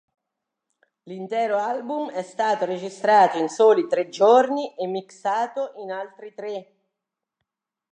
L'intero album è stato registrato in soli tre giorni e mixato in altri tre.